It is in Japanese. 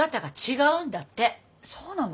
そうなの？